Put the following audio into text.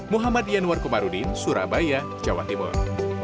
muhammad yanwar komarudin surabaya jawa timur